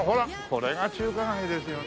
これが中華街ですよね。